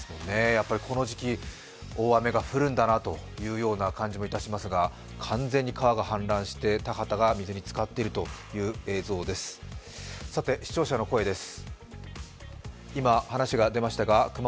やはりこの時期、大雨が降るんだなという感じもしますが、完全に川が氾濫して田畑が水につかっているという映像です、さて視聴者の声です。